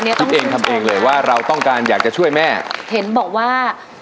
คิดเองทำเองเลยว่าเราต้องการอยากจะช่วยแม่เห็นบอกว่า